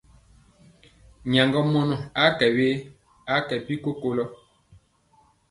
Nyaŋgamɔ a kɛ we, a kɛ bi kokolɔ.